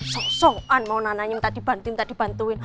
sok sokan mau nananya minta dibantuin minta dibantuin